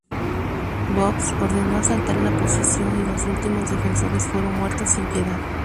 Boves ordeno asaltar la posición y los últimos defensores fueron muertos sin piedad.